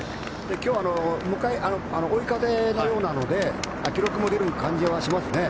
今日、追い風のようなので記録も出る感じはしますね。